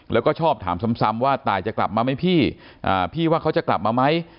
แล้วก็ชอบถามซ้ำว่าตายจะกลับมาไหมพี่พี่ว่าเขาจะกลับมาไหม